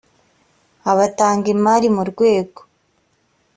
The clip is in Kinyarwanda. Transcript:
abatanga imari mu rwego